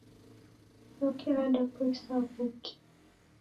Choki radapoisa w'uki.